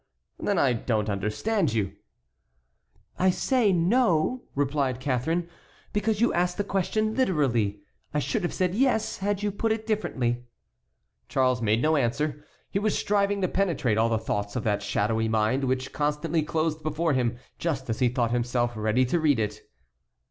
then I do not understand you." "I say no," replied Catharine, "because you asked the question literally. I should have said yes had you put it differently." Charles made no answer. He was striving to penetrate all the thoughts of that shadowy mind, which constantly closed before him just as he thought himself ready to read it.